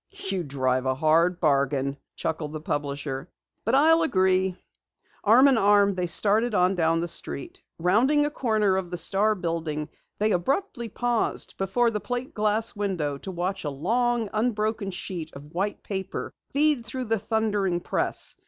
"You drive a hard bargain," chuckled the publisher. "But I'll agree." Arm in arm, they started on down the street. Rounding a corner of the Star building they abruptly paused before the plate glass window to watch a long, unbroken sheet of white paper feed through the thundering press.